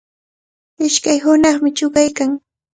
Ishkay hunaqnami chuqaykan.